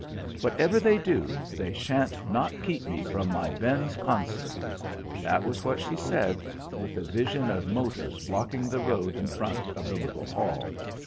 "Whatever they do, they shan't not keep me from my Ben's concert!" That was what she said, with a vision of motors blocking the road in front of the little hall.